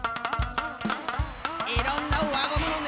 いろんなわゴムのね